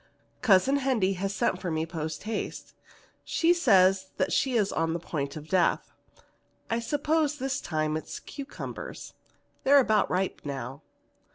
Cousin Hendy has sent for me post haste. She says she is at the point of death. I suppose this time it is cucumbers. They are about ripe now.